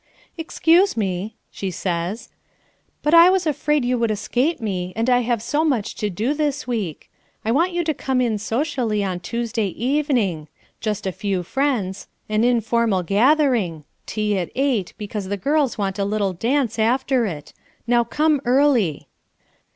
"Excuse me," she says, "but I was afraid you would escape me, and I have so much to do this week. I want you to come in socially on Tuesday evening; just a few friends; an informal gathering; tea at eight, because the girls want a little dance after it. Now come early."